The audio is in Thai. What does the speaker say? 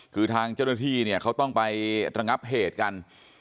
คือทางเจ้าหน้าที่เนี่ยเขาต้องไประงับเหตุกัน